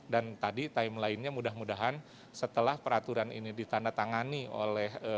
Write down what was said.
dan tadi time lainnya mudah mudahan setelah peraturan ini ditandatangani oleh